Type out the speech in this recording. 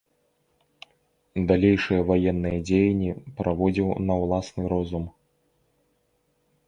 Далейшыя ваенныя дзеянні праводзіў на ўласны розум.